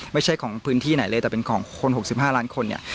ไม่ใช่ของพื้นที่ไหนเลยแต่เป็นของคน๖๕ล้านคนเนี่ย